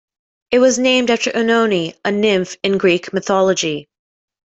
It was named after Oenone, a nymph in Greek mythology.